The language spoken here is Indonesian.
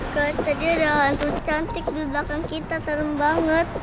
kata dia ada hantu cantik di belakang kita serem banget